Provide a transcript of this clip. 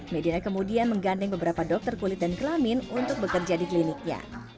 medina kemudian menggandeng beberapa dokter kulit dan kelamin untuk bekerja di kliniknya